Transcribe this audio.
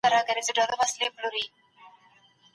ایا افغان سوداګر تور ممیز صادروي؟